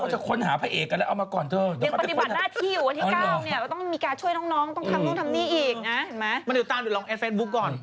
คุณแม่ในแฟนเพลงเขาบอกคุณมดดำใจเย็นค่ะช่วยเหลือเด็กก่อน